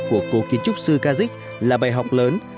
của cổ kiến trúc sư kazik là bài học lớn